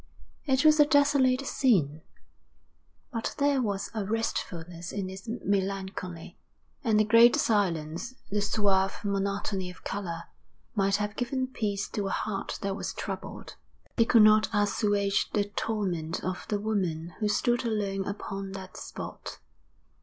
It was a desolate scene, but there was a restfulness in its melancholy; and the great silence, the suave monotony of colour, might have given peace to a heart that was troubled. They could not assuage the torment of the woman who stood alone upon that spot.